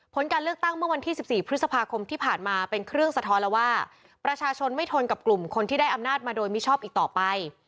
การเลือกตั้งเมื่อวันที่๑๔พฤษภาคมที่ผ่านมาเป็นเครื่องสะท้อนแล้วว่าประชาชนไม่ทนกับกลุ่มคนที่ได้อำนาจมาโดยมิชอบอีกต่อไป